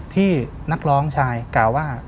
ที่นักร้องชายกล่าวว่า